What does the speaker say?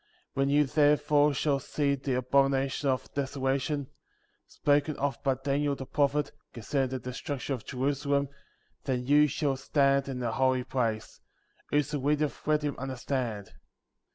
12. When you, therefore, shall see the abomina tion of desolation, spoken of by Daniel the prophet, concerning the destruction of Jerusalem, then you shall stand in the holy place; whoso readeth let him understand.